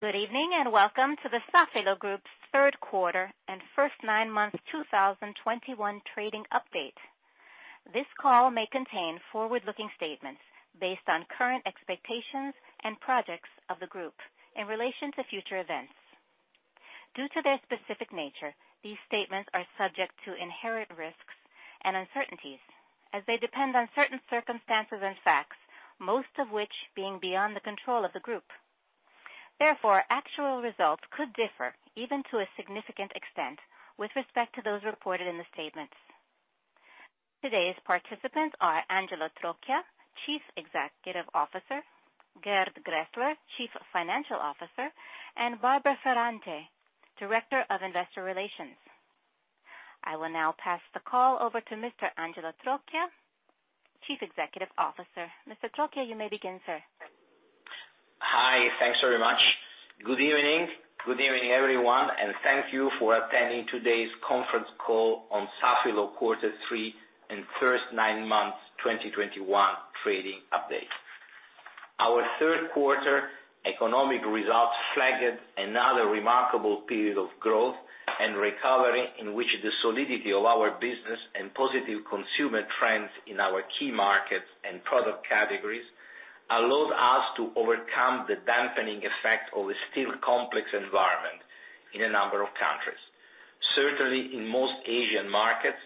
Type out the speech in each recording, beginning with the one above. Good evening, and welcome to the Safilo Group's third quarter and first nine-month 2021 trading update. This call may contain forward-looking statements based on current expectations and projections of the group in relation to future events. Due to their specific nature, these statements are subject to inherent risks and uncertainties as they depend on certain circumstances and facts, most of which being beyond the control of the group. Therefore, actual results could differ even to a significant extent with respect to those reported in the statements. Today's participants are Angelo Trocchia, Chief Executive Officer, Gerd Graehsler, Chief Financial Officer, and Barbara Ferrante, Director of Investor Relations. I will now pass the call over to Mr. Angelo Trocchia, Chief Executive Officer. Mr. Trocchia, you may begin, sir. Hi. Thanks very much. Good evening. Good evening, everyone, and thank you for attending today's conference call on Safilo quarter three and first nine-months 2021 trading update. Our third quarter economic results flagged another remarkable period of growth and recovery in which the solidity of our business and positive consumer trends in our key markets and product categories allowed us to overcome the dampening effect of a still complex environment in a number of countries, certainly in most Asian markets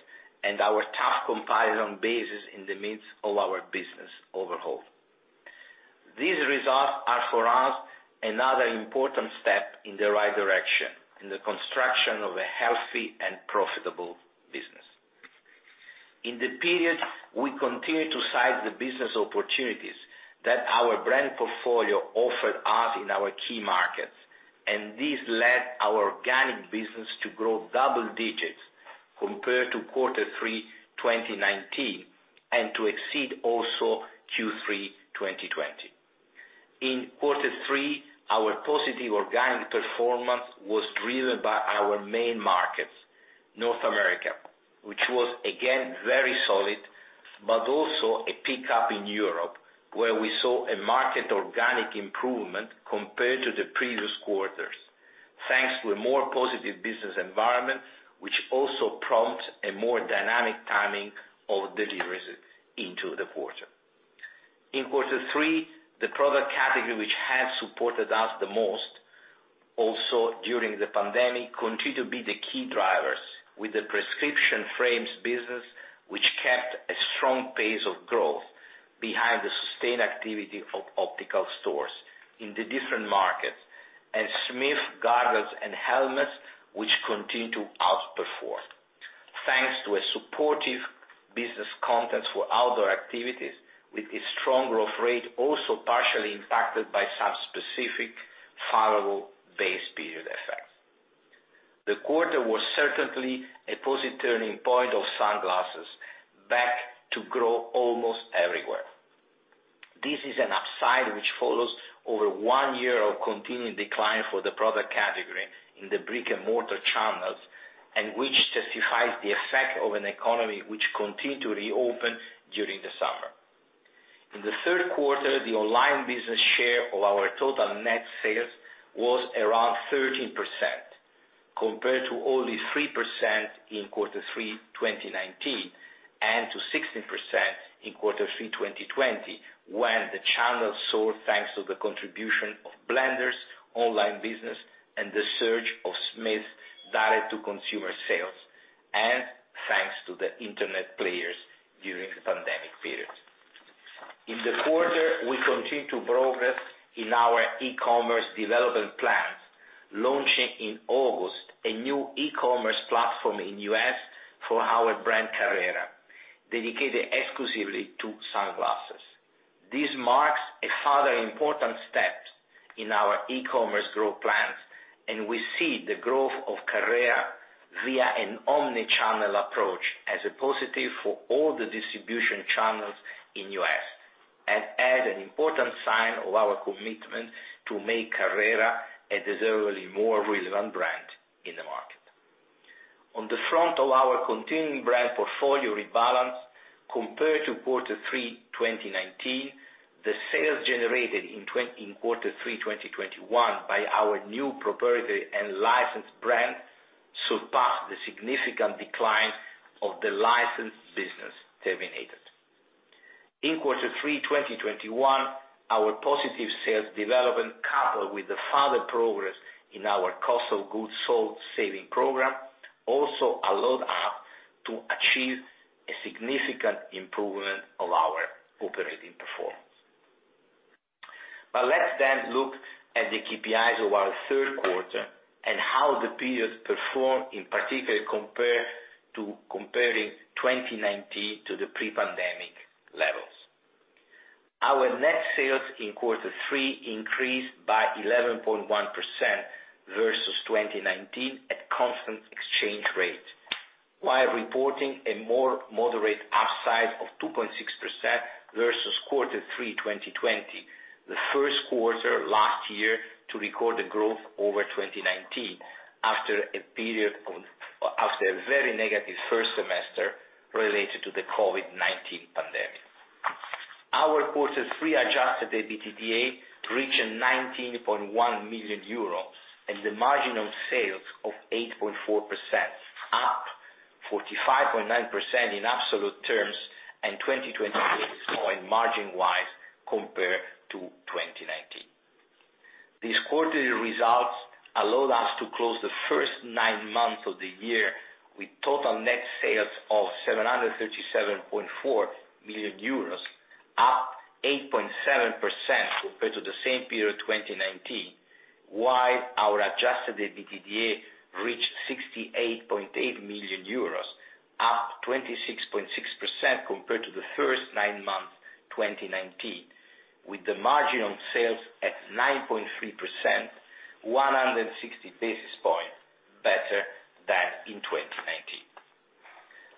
and our tough comparison basis in the midst of our business overhaul. These results are, for us, another important step in the right direction in the construction of a healthy and profitable business. In the period, we continued to seize the business opportunities that our brand portfolio offered us in our key markets, and this led our organic business to grow double digits compared to Q3 2019 and to exceed also Q3 2020. In quarter three, our positive organic performance was driven by our main markets, North America, which was again very solid, but also a pickup in Europe, where we saw a market organic improvement compared to the previous quarters, thanks to a more positive business environment, which also prompts a more dynamic timing of deliveries into the quarter. In quarter three, the product category which has supported us the most also during the pandemic continued to be the key drivers with the prescription frames business, which kept a strong pace of growth behind the sustained activity of optical stores in the different markets, and Smith goggles and helmets, which continued to outperform, thanks to a supportive business context for outdoor activities with a strong growth rate, also partially impacted by some specific favorable base period effects. The quarter was certainly a positive turning point of sunglasses back to growth almost everywhere. This is an upside which follows over one year of continuing decline for the product category in the brick-and-mortar channels and which justifies the effect of an economy which continued to reopen during the summer. In the third quarter, the online business share of our total net sales was around 13%, compared to only 3% in Q3 2019 and to 16% in Q3 2020, when the channel soared, thanks to the contribution of Blenders online business and the surge of Smith's direct-to-consumer sales and thanks to the internet players during the pandemic period. In the quarter, we continued to progress in our e-commerce development plans, launching in August a new e-commerce platform in the U.S. for our brand Carrera, dedicated exclusively to sunglasses. This marks a further important step in our e-commerce growth plans, and we see the growth of Carrera via an omni-channel approach as a positive for all the distribution channels in the U.S. and as an important sign of our commitment to make Carrera a deservedly more relevant brand in the market. On the front of our continuing brand portfolio rebalance, compared to quarter three 2019, the sales generated in quarter three 2021 by our new proprietary and licensed brands surpassed the significant decline of the licensed business terminated. In quarter three 2021, our positive sales development, coupled with the further progress in our cost of goods sold saving program, also allowed us to achieve a significant improvement of our operating performance. Let's then look at the KPIs of our third quarter and how the period performed, in particular compared to 2019 to the pre-pandemic levels. Our net sales in quarter three increased by 11.1% versus 2019 at constant exchange rate, while reporting a more moderate upside of 2.6% versus quarter three 2020, the first quarter last year to record a growth over 2019 after a very negative first semester related to the COVID-19 pandemic. Our quarter's pre-adjusted EBITDA reached 19.1 million euro, and the margin on sales of 8.4%, up 45.9% in absolute terms and 200 points margin-wise compared to 2019. These quarterly results allowed us to close the first nine-months of the year with total net sales of 737.4 million euros, up 8.7% compared to the same period, 2019. While our adjusted EBITDA reached 68.8 million euros, up 26.6% compared to the first nine-months, 2019, with the margin on sales at 9.3%, 160 basis points better than in 2019.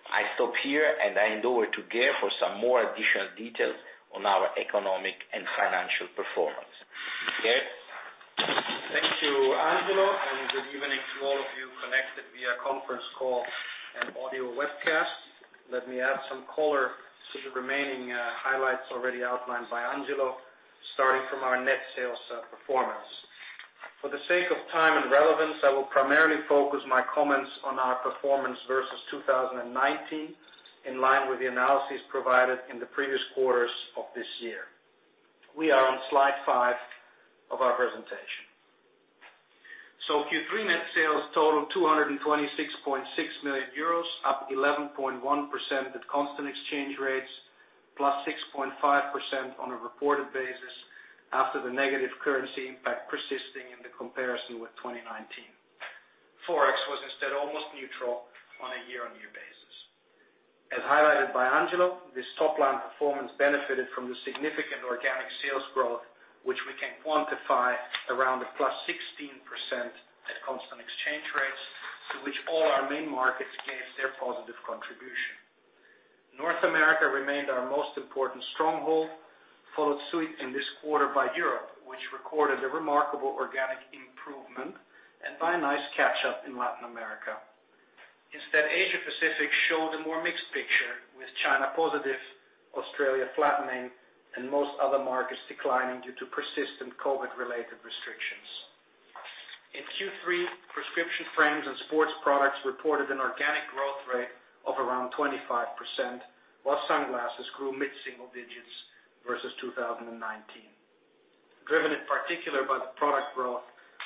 I stop here and hand over to Gerd for some more additional details on our economic and financial performance. Gerd? Thank you, Angelo, and good evening to all of you connected via conference call and audio webcast. Let me add some color to the remaining highlights already outlined by Angelo, starting from our net sales performance. For the sake of time and relevance, I will primarily focus my comments on our performance versus 2019, in line with the analyses provided in the previous quarters of this year. We are on slide five of our presentation. Q3 net sales totaled 226.6 million euros, up 11.1% at constant exchange rates, +6.5% on a reported basis after the negative currency impact persisting in the comparison with 2019. Forex was instead almost neutral on a year-on-year basis. As highlighted by Angelo, this top line performance benefited from the significant organic sales growth, which we can quantify around +16% at constant exchange rates, to which all our main markets gave their positive contribution. North America remained our most important stronghold, followed suit in this quarter by Europe, which recorded a remarkable organic improvement, and by a nice catch-up in Latin America. Instead, Asia-Pacific showed a more mixed picture, with China positive, Australia flattening, and most other markets declining due to persistent COVID-related restrictions. In Q3, prescription frames and sports products reported an organic growth rate of around 25%, while sunglasses grew mid-single digits versus 2019. Driven in particular by the product growth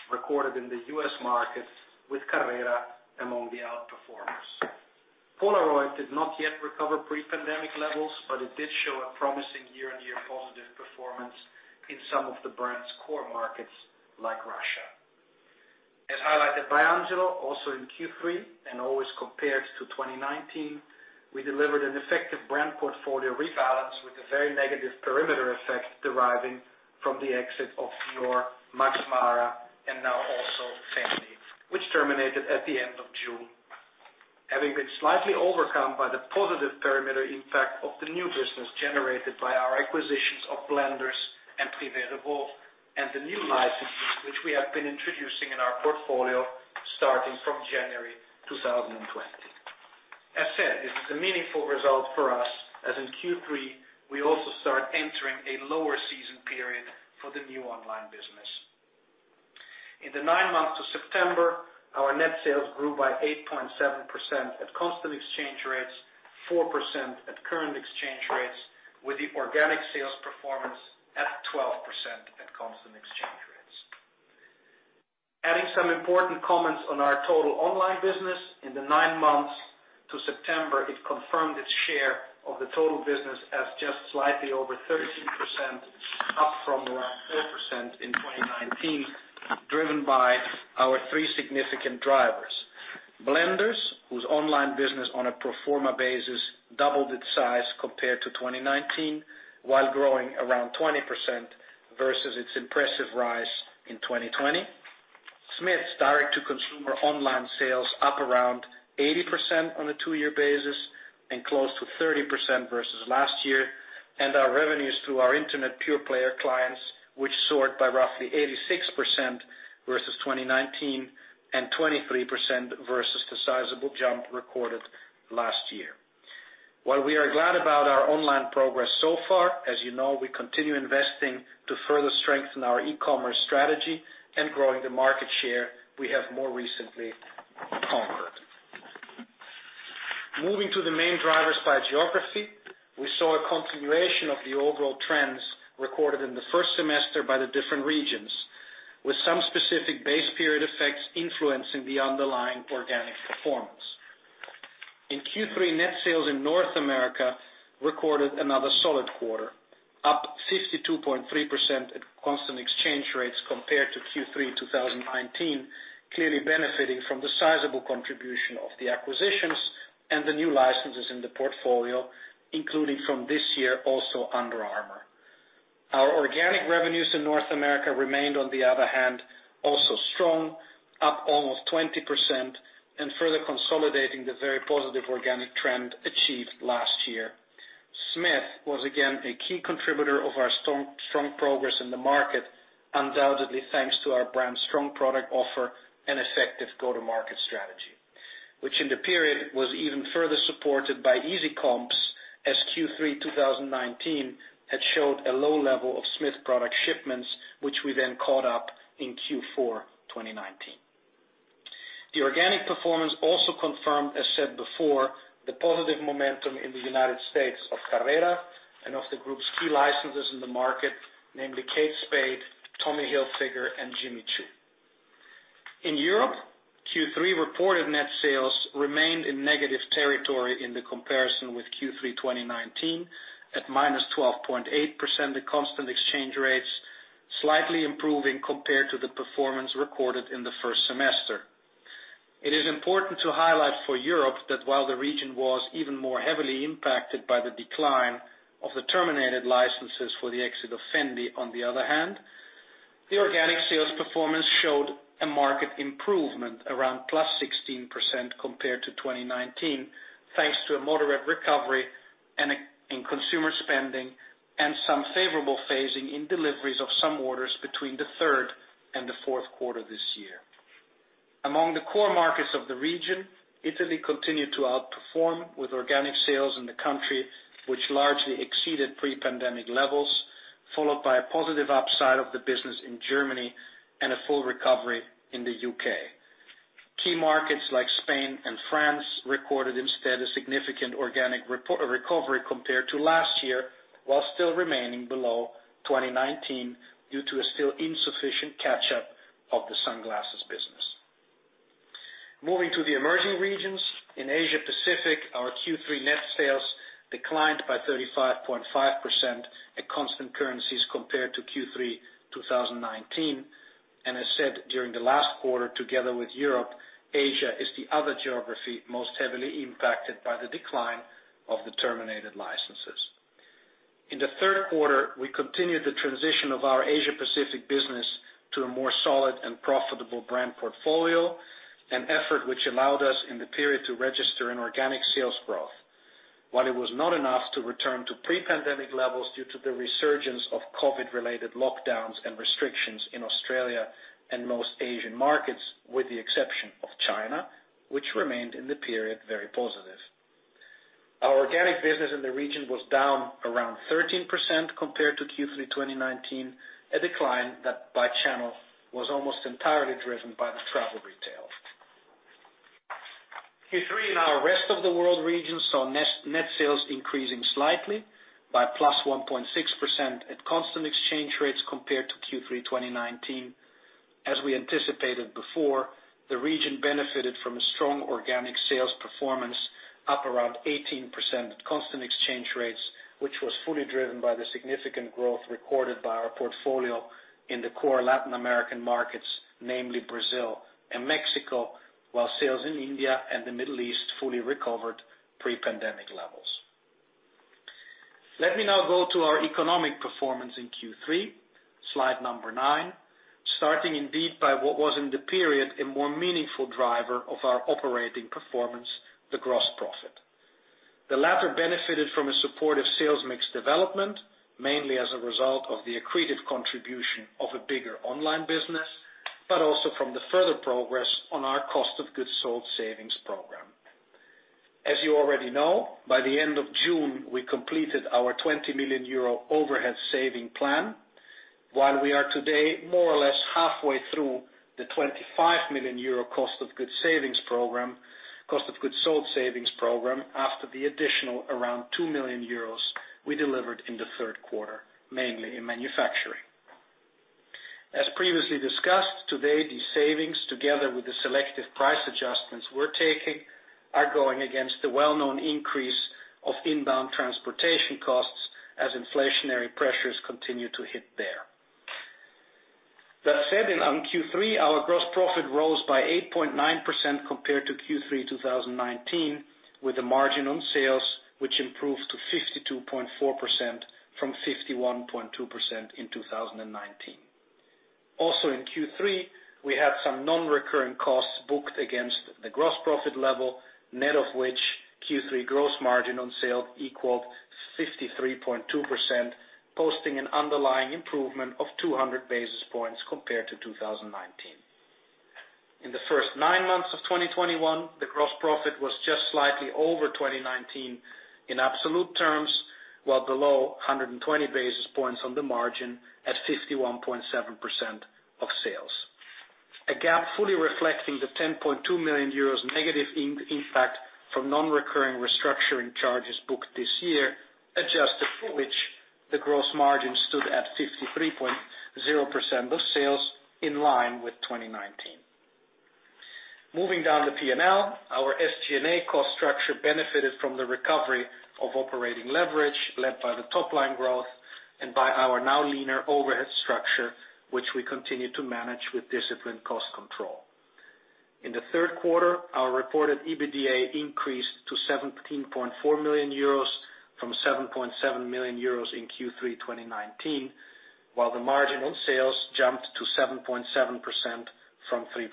recorded in the U.S. markets with Carrera among the out-performers. Polaroid did not yet recover pre-pandemic levels, but it did show a promising year-on-year positive performance in some of the brand's core markets, like Russia. As highlighted by Angelo, also in Q3, and always compared to 2019, we delivered an effective brand portfolio rebalance with a very negative perimeter effect deriving from the exit of Dior, Max Mara, and now also Fendi, which terminated at the end of June, having been slightly overcome by the positive perimeter impact of the new business generated by our acquisitions of Blenders and Privé Revaux, and the new licenses which we have been introducing in our portfolio starting from January 2020. As said, this is a meaningful result for us, as in Q3, we also start entering a lower season period for the new online business. In the 9 months of September, our net sales grew by 8.7% at constant exchange rates, 4% at current exchange rates, with the organic sales performance at 12% at constant exchange rates. Adding some important comments on our total online business, in the nine-months to September, it confirmed its share of the total business as just slightly over 13%, up from around 4% in 2019, driven by our three significant drivers. Blenders, whose online business on a pro forma basis doubled its size compared to 2019 while growing around 20% versus its impressive rise in 2020. Smith's direct-to-consumer online sales up around 80% on a two-year basis and close to 30% versus last year. Our revenues through our internet pure player clients, which soared by roughly 86% versus 2019 and 23% versus the sizable jump recorded last year. While we are glad about our online progress so far, as you know, we continue investing to further strengthen our e-commerce strategy and growing the market share we have more recently conquered. Moving to the main drivers by geography, we saw a continuation of the overall trends recorded in the first semester by the different regions, with some specific base period effects influencing the underlying organic performance. In Q3, net sales in North America recorded another solid quarter, up 52.3% at constant exchange rates compared to Q3 2019, clearly benefiting from the sizable contribution of the acquisitions and the new licenses in the portfolio, including from this year also Under Armour. Our organic revenues in North America remained on the other hand, also strong, up almost 20% and further consolidating the very positive organic trend achieved last year. Smith was again a key contributor of our strong progress in the market, undoubtedly, thanks to our brand's strong product offer and effective go-to-market strategy, which in the period was even further supported by easy comps as Q3 2019 had showed a low level of Smith product shipments, which we then caught up in Q4 2019. The organic performance also confirmed, as said before, the positive momentum in the United States of Carrera and of the group's key licenses in the market, namely Kate Spade, Tommy Hilfiger, and Jimmy Choo. In Europe, Q3 reported net sales remained in negative territory in the comparison with Q3 2019 at -12.8%. At constant exchange rates slightly improving compared to the performance recorded in the first semester. It is important to highlight for Europe that while the region was even more heavily impacted by the decline of the terminated licenses for the exit of Fendi, on the other hand, the organic sales performance showed a market improvement around +16% compared to 2019, thanks to a moderate recovery in consumer spending and some favorable phasing in deliveries of some orders between the third and the fourth quarter this year. Among the core markets of the region, Italy continued to outperform with organic sales in the country, which largely exceeded pre-pandemic levels, followed by a positive upside of the business in Germany and a full recovery in the U.K. Key markets like Spain and France recorded, instead, a significant organic recovery compared to last year, while still remaining below 2019 due to a still insufficient catch-up of the sunglasses business. Moving to the emerging regions. In Asia Pacific, our Q3 net sales declined by 35.5% at constant currencies compared to Q3 2019. As said during the last quarter, together with Europe, Asia is the other geography most heavily impacted by the decline of the terminated licenses. In the third quarter, we continued the transition of our Asia Pacific business to a more solid and profitable brand portfolio, an effort which allowed us in the period to register an organic sales growth. While it was not enough to return to pre-pandemic levels due to the resurgence of COVID-related lockdowns and restrictions in Australia and most Asian markets, with the exception of China, which remained in the period, very positive. Our organic business in the region was down around 13% compared to Q3 2019, a decline that by channel was almost entirely driven by the travel retail. Q3 in our rest of the world regions saw net sales increasing slightly by +1.6% at constant exchange rates compared to Q3 2019. As we anticipated before, the region benefited from a strong organic sales performance up around 18% at constant exchange rates, which was fully driven by the significant growth recorded by our portfolio in the core Latin American markets, namely Brazil and Mexico, while sales in India and the Middle East fully recovered pre-pandemic levels. Let me now go to our economic performance in Q3. Slide nine, starting indeed by what was in the period, a more meaningful driver of our operating performance, the gross profit. The latter benefited from a supportive sales mix development, mainly as a result of the accretive contribution of a bigger online business, but also from the further progress on our cost of goods sold savings program. As you already know, by the end of June, we completed our 20 million euro overhead savings plan. While we are today more or less halfway through the 25 million euro cost of goods savings program, cost of goods sold savings program after the additional around 2 million euros we delivered in the third quarter, mainly in manufacturing. As previously discussed, today, these savings, together with the selective price adjustments we're taking, are going against the well-known increase of inbound transportation costs as inflationary pressures continue to hit there. That said, in Q3, our gross profit rose by 8.9% compared to Q3 2019, with the margin on sales, which improved to 52.4% from 51.2% in 2019. Also in Q3, we had some non-recurring costs booked against the gross profit level, net of which Q3 gross margin on sales equaled 53.2%, posting an underlying improvement of 200 basis points compared to 2019. In the first nine-months of 2021, the gross profit was just slightly over 2019 in absolute terms, while below 120 basis points on the margin at 51.7% of sales. A gap fully reflecting the 10.2 million euros negative impact from non-recurring restructuring charges booked this year, adjusted for which the gross margin stood at 53.0% of sales in line with 2019. Moving down the P&L, our SG&A cost structure benefited from the recovery of operating leverage led by the top-line growth and by our now leaner overhead structure, which we continue to manage with disciplined cost control. In the third quarter, our reported EBITDA increased to 17.4 million euros from 7.7 million euros in Q3 2019, while the margin on sales jumped to 7.7% from 3.6%.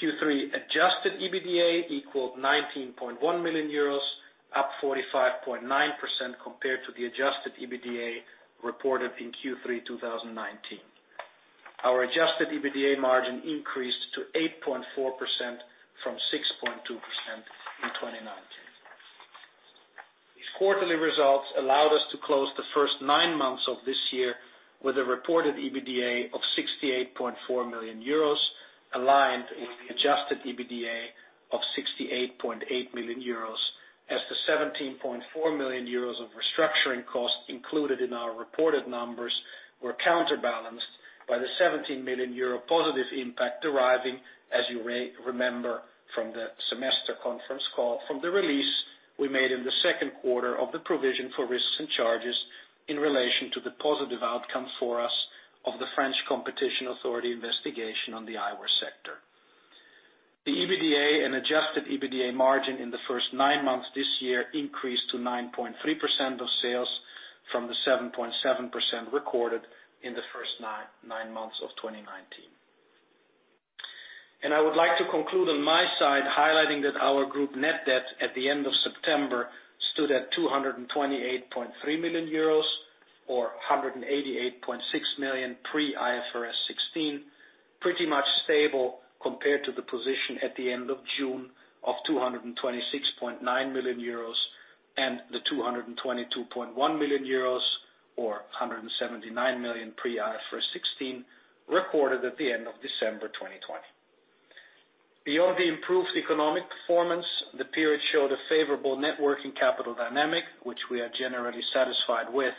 Q3 adjusted EBITDA equaled 19.1 million euros. Up 45.9% compared to the adjusted EBITDA reported in Q3 2019. Our adjusted EBITDA margin increased to 8.4% from 6.2% in 2019. These quarterly results allowed us to close the first nine-months of this year with a reported EBITDA of 68.4 million euros, aligned with the adjusted EBITDA of 68.8 million euros, as the 17.4 million euros of restructuring costs included in our reported numbers were counterbalanced by the 17 million euro positive impact deriving, as you may remember from the semester conference call, from the release we made in the second quarter of the provision for risks and charges in relation to the positive outcome for us of the French Competition Authority investigation on the eyewear sector. The EBITDA and adjusted EBITDA margin in the first nine-months this year increased to 9.3% of sales from the 7.7% recorded in the first nine-months of 2019. I would like to conclude on my side highlighting that our group net debt at the end of September stood at 228.3 million euros or 188.6 million pre-IFRS 16, pretty much stable compared to the position at the end of June of 226.9 million euros and 222.1 million euros or 179 million pre-IFRS 16 recorded at the end of December 2020. Beyond the improved economic performance, the period showed a favorable net working capital dynamic, which we are generally satisfied with,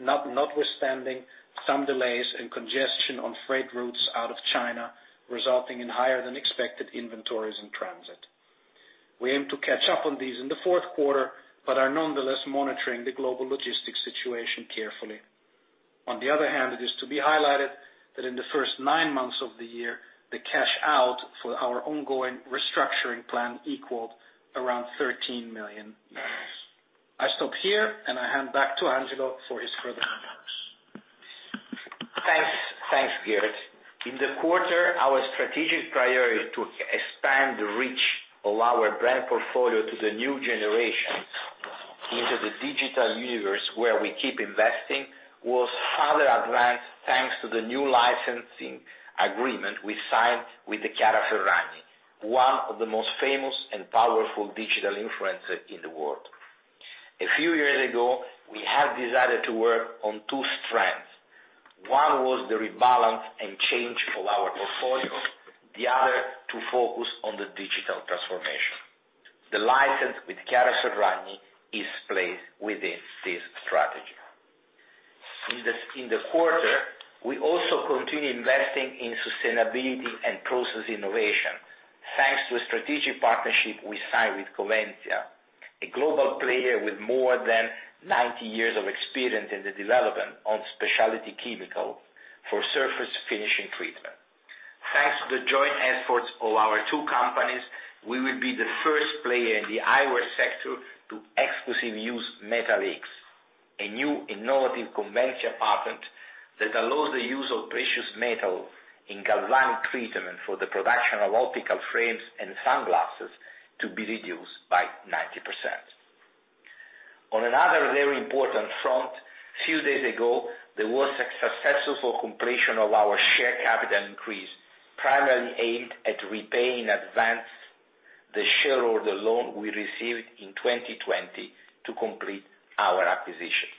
notwithstanding some delays and congestion on freight routes out of China, resulting in higher than expected inventories in transit. We aim to catch up on these in the fourth quarter, but are nonetheless monitoring the global logistics situation carefully. On the other hand, it is to be highlighted that in the first nine-months of the year, the cash out for our ongoing restructuring plan equaled around 13 million. I stop here and I hand back to Angelo for his further remarks. Thanks. Thanks, Gerd. In the quarter, our strategic priority to expand the reach of our brand portfolio to the new generation into the digital universe where we keep investing was further advanced thanks to the new licensing agreement we signed with Chiara Ferragni, one of the most famous and powerful digital influencer in the world. A few years ago, we have decided to work on two strengths. One was the rebalance and change of our portfolio, the other to focus on the digital transformation. The license with Chiara Ferragni is placed within this strategy. In the quarter, we also continue investing in sustainability and process innovation. Thanks to a strategic partnership we signed with Coventya, a global player with more than 90 years of experience in the development of specialty chemical for surface finishing treatment. Thanks to the joint efforts of our two companies, we will be the first player in the eyewear sector to exclusively use Metal X, a new innovative Coventya patent that allows the use of precious metal in galvanic treatment for the production of optical frames and sunglasses to be reduced by 90%. On another very important front, few days ago, there was a successful completion of our share capital increase, primarily aimed at repaying in advance the shareholder loan we received in 2020 to complete our acquisitions.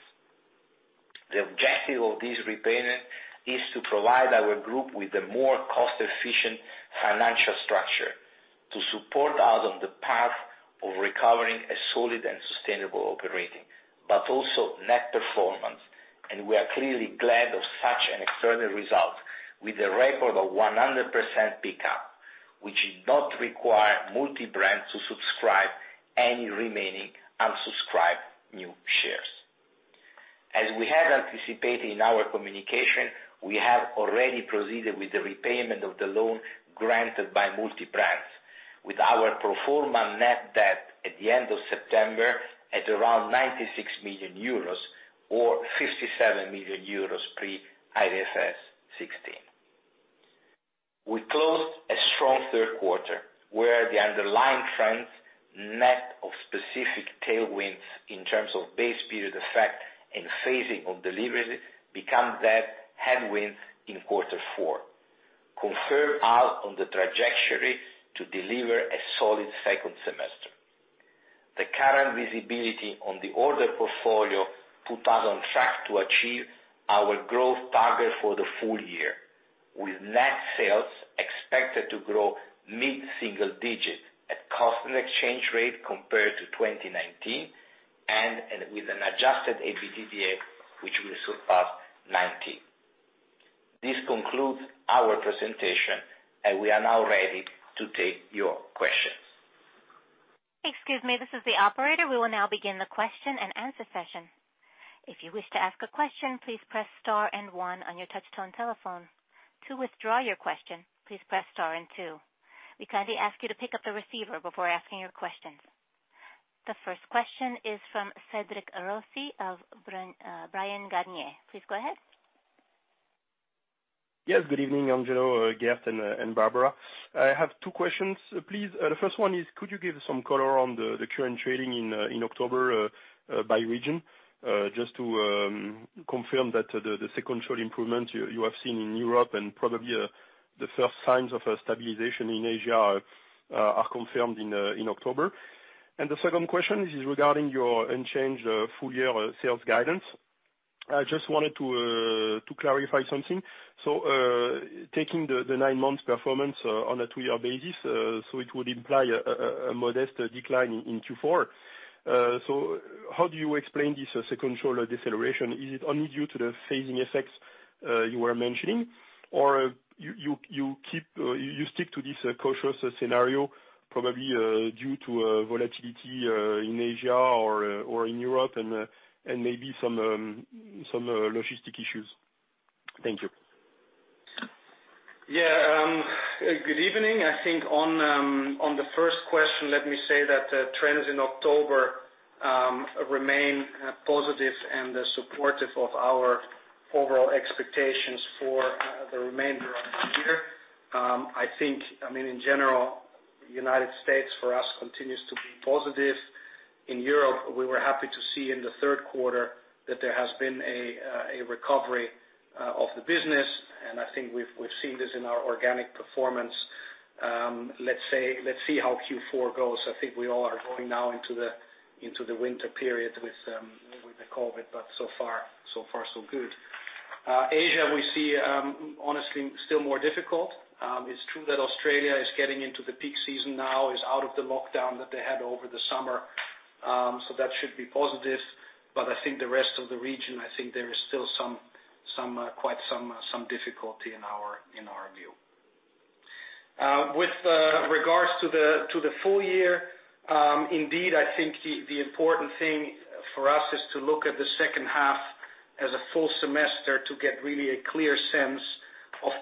The objective of this repayment is to provide our group with a more cost-efficient financial structure to support us on the path of recovering a solid and sustainable operating, but also net performance. We are clearly glad of such an excellent result with a record of 100% pick up, which did not require Multibrands to subscribe any remaining unsubscribed new shares. As we have anticipated in our communication, we have already proceeded with the repayment of the loan granted by Multibrands, with our pro forma net debt at the end of September at around 96 million euros or 57 million euros pre IFRS 16. We closed a strong third quarter where the underlying trends, net of specific tailwinds in terms of base period effect and phasing of deliveries, becoming a headwind in quarter four, confirming our trajectory to deliver a solid second semester. The current visibility on the order portfolio puts us on track to achieve our growth target for the full year, with net sales expected to grow mid-single digits at constant exchange rates compared to 2019 and with an adjusted EBITDA which will surpass 90. This concludes our presentation, and we are now ready to take your questions. Excuse me, this is the operator. We will now begin the question and answer session. If you wish to ask a question, please press star and one on your touchtone telephone. To withdraw your question, please press star and two. We kindly ask you to pick up the receiver before asking your questions. The first question is from Cédric Rossi of Bryan Garnier. Please go ahead. Yes. Good evening, Angelo, Gerd and Barbara. I have two questions, please. The first one is could you give some color on the current trading in October by region? Just to confirm that the sequential improvement you have seen in Europe and probably the first signs of stabilization in Asia are confirmed in October. The second question is regarding your unchanged full year sales guidance. I just wanted to clarify something. Taking the nine-months performance on a two-year basis, it would imply a modest decline in Q4. How do you explain this as a controlled deceleration? Is it only due to the phasing effects you were mentioning, or you stick to this cautious scenario probably due to volatility in Asia or in Europe and maybe some logistic issues? Thank you. Yeah. Good evening. I think on the first question, let me say that trends in October remain positive and supportive of our overall expectations for the remainder of the year. I think, I mean, in general, United States for us continues to be positive. In Europe, we were happy to see in the third quarter that there has been a recovery of the business, and I think we've seen this in our organic performance. Let's say, let's see how Q4 goes. I think we all are going now into the winter period with the COVID, but so far, so good. Asia, we see, honestly still more difficult. It's true that Australia is getting into the peak season now, is out of the lockdown that they had over the summer. That should be positive. I think the rest of the region, I think there is still quite some difficulty in our view. With regards to the full year, indeed, I think the important thing for us is to look at the second half as a full semester to get really a clear sense of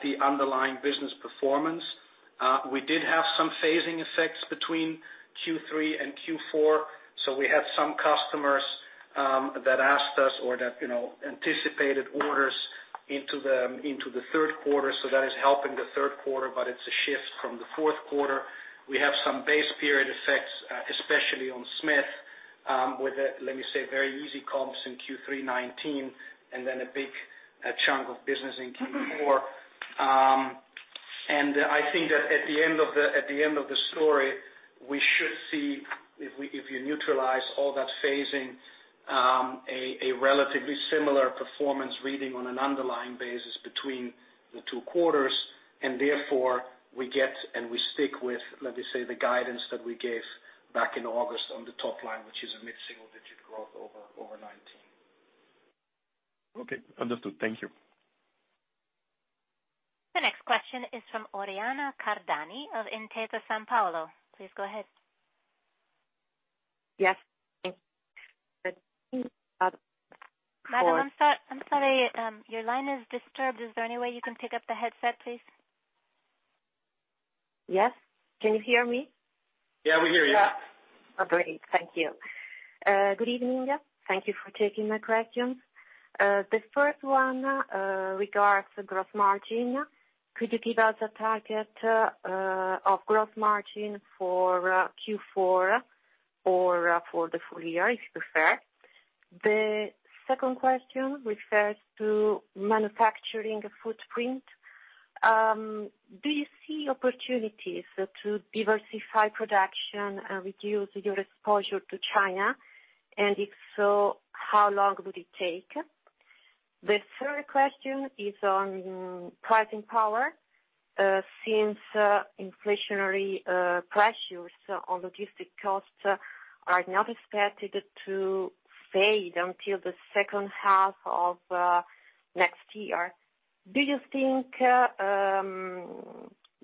the underlying business performance. We did have some phasing effects between Q3 and Q4, so we had some customers that asked us or that, you know, anticipated orders into the third quarter. That is helping the third quarter, but it's a shift from the fourth quarter. We have some base period effects, especially on Smith, with, let me say, very easy comps in Q3 2019 and then a big chunk of business in Q4. I think that at the end of the story, we should see, if you neutralize all that phasing, a relatively similar performance reading on an underlying basis between the two quarters, and therefore we get and we stick with, let me say, the guidance that we gave back in August on the top line, which is a mid-single-digit growth over 2019. Okay. Understood. Thank you. The next question is from Oriana Cardani of Intesa Sanpaolo. Please go ahead. Yes. Madam, I'm sorry, your line is disturbed. Is there any way you can pick up the headset, please? Yes. Can you hear me? Yeah, we hear you. Oh, great. Thank you. Good evening. Thank you for taking my questions. The first one regards the gross margin. Could you give us a target of gross margin for Q4 or for the full year, if you prefer? The second question refers to manufacturing footprint. Do you see opportunities to diversify production and reduce your exposure to China? And if so, how long would it take? The third question is on pricing power. Since inflationary pressures on logistic costs are not expected to fade until the second half of next year, do you think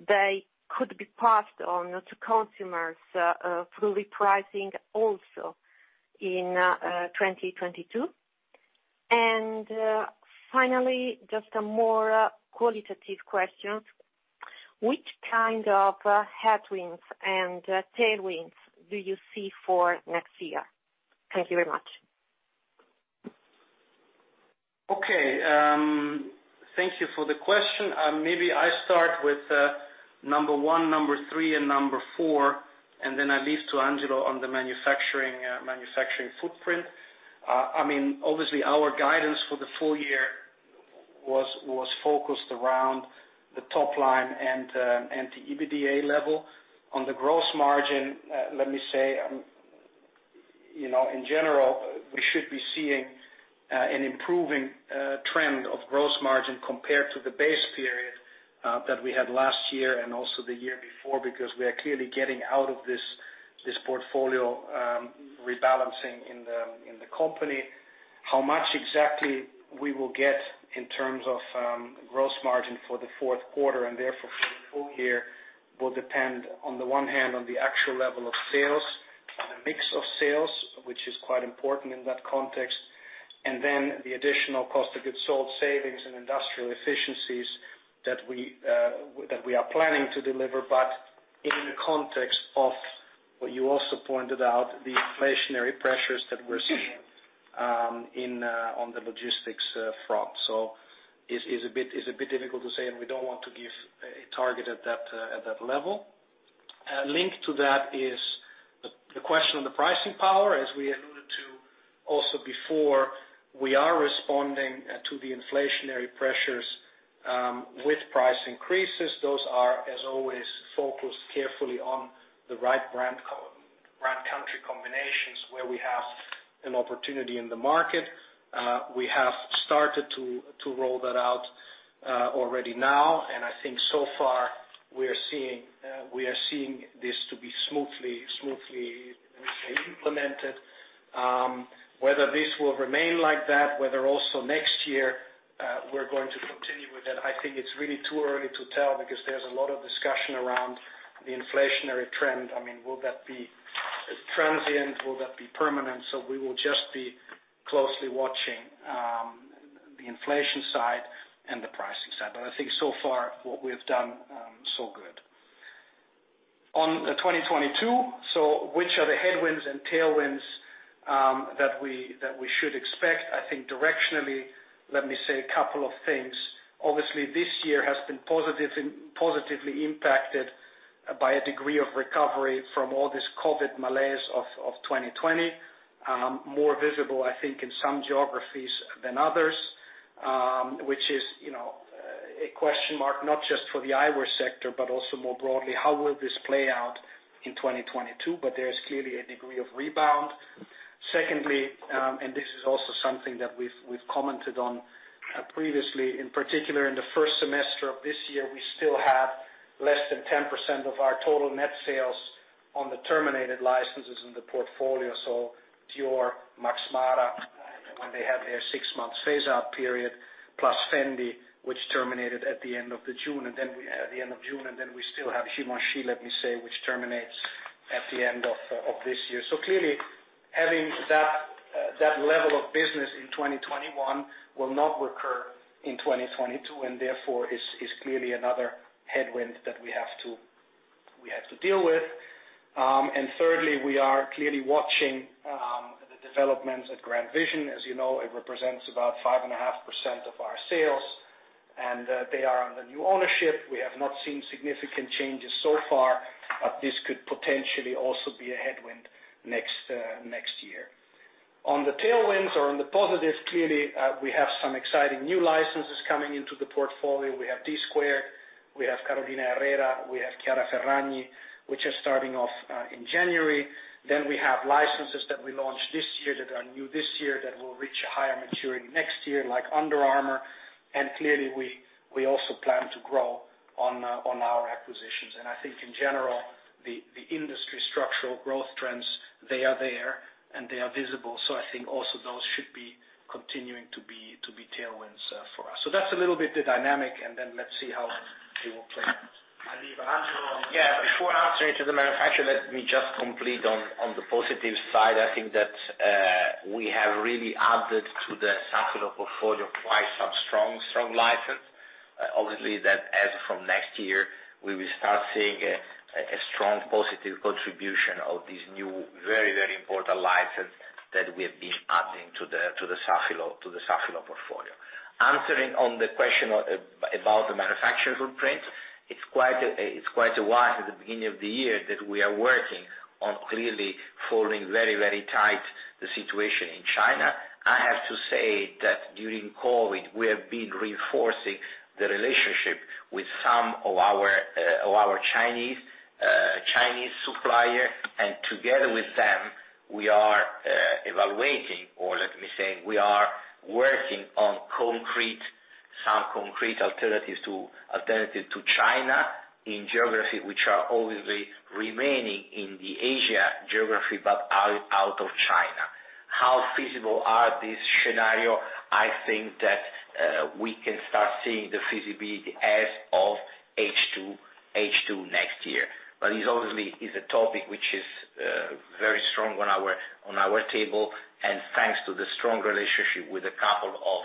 they could be passed on to consumers through repricing also in 2022? Finally, just a more qualitative question, which kind of headwinds and tailwinds do you see for next year? Thank you very much. Okay, thank you for the question. Maybe I start with number one, number three, and number four, and then I leave to Angelo on the manufacturing footprint. I mean, obviously, our guidance for the full year was focused around the top line and the EBITDA level. On the gross margin, let me say, you know, in general, we should be seeing an improving trend of gross margin compared to the base period that we had last year and also the year before, because we are clearly getting out of this portfolio rebalancing in the company. How much exactly we will get in terms of gross margin for the fourth quarter and therefore full year will depend on the one hand on the actual level of sales, on the mix of sales, which is quite important in that context, and then the additional cost of goods sold, savings and industrial efficiencies that we are planning to deliver. In the context of what you also pointed out, the inflationary pressures that we're seeing in on the logistics front. It's a bit difficult to say, and we don't want to give a target at that level. Linked to that is the question on the pricing power as we alluded to also before. We are responding to the inflationary pressures with price increases. Those are, as always, focused carefully on the right brand country combinations where we have an opportunity in the market. We have started to roll that out already now, and I think so far we are seeing this to be smoothly, let me say, implemented. Whether this will remain like that, whether also next year we're going to continue with that, I think it's really too early to tell because there's a lot of discussion around the inflationary trend. I mean, will that be transient? Will that be permanent? We will just be closely watching the inflation side and the pricing side. I think so far what we have done so good. On 2022, which are the headwinds and tailwinds that we should expect? I think directionally, let me say a couple of things. Obviously, this year has been positively impacted by a degree of recovery from all this COVID malaise of 2020. More visible, I think, in some geographies than others, which is, you know, a question mark not just for the eyewear sector, but also more broadly, how will this play out in 2022? There is clearly a degree of rebound. Secondly, this is also something that we've commented on previously. In particular, in the first semester of this year, we still have less than 10% of our total net sales on the terminated licenses in the portfolio. So Dior, Max Mara, when they have their six-month phase-out period, plus Fendi, which terminated at the end of June. The end of June, and then we still have Givenchy, let me say, which terminates at the end of this year. Clearly, having that level of business in 2021 will not recur in 2022, and therefore is clearly another headwind that we have to deal with. Thirdly, we are clearly watching the developments at GrandVision. As you know, it represents about 5.5% of our sales, and they are under new ownership. We have not seen significant changes so far, but this could potentially also be a headwind next year. On the tailwinds or on the positives, clearly, we have some exciting new licenses coming into the portfolio. We have Dsquared2, we have Carolina Herrera, we have Chiara Ferragni, which are starting off in January. We have licenses that we launched this year that are new this year that will reach a higher maturity next year, like Under Armour. Clearly we also plan to grow on our acquisitions. I think in general, the industry structural growth trends, they are there, and they are visible. I think also those should be continuing to be tailwinds for us. That's a little bit the dynamic, and then let's see how they will play. I leave Angelo. Yeah, before answering to the manufacturer, let me just complete on the positive side. I think that we have really added to the Safilo portfolio quite some strong license. Obviously that as from next year we will start seeing a strong positive contribution of these new very important license that we have been adding to the Safilo portfolio. Answering on the question about the manufacturing footprint, it's quite a while at the beginning of the year that we are working on clearly following very tight the situation in China. I have to say that during COVID, we have been reinforcing the relationship with some of our Chinese supplier. Together with them, we are evaluating or let me say, we are working on some concrete alternatives to China in geography, which are obviously remaining in the Asia geography but out of China. How feasible is this scenario? I think that we can start seeing the feasibility as of H2 next year. But it's obviously a topic which is very strong on our table. Thanks to the strong relationship with a couple of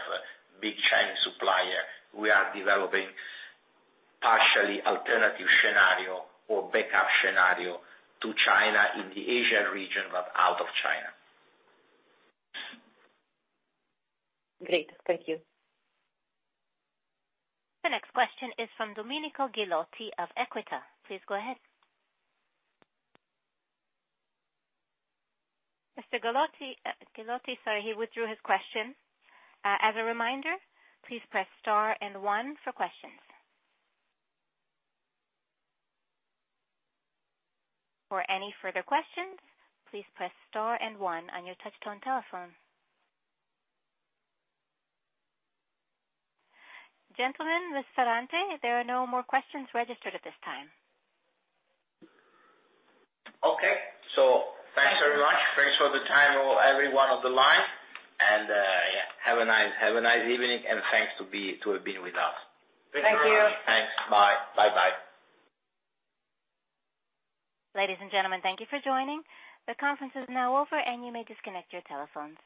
big Chinese suppliers, we are developing partial alternative scenarios or backup scenarios to China in the Asia region, but out of China. Great. Thank you. The next question is from Domenico Ghilotti of Equita. Please go ahead. Mr. Ghilotti, sorry, he withdrew his question. As a reminder, please press star and one for questions. For any further questions, please press star and one on your touchtone telephone. Gentlemen, Ms. Ferrante, there are no more questions registered at this time. Thanks very much. Thanks for the time of everyone on the line, and have a nice evening and thanks to have been with us. Thank you. Thanks. Bye. Bye-bye. Ladies and gentlemen, thank you for joining. The conference is now over, and you may disconnect your telephones.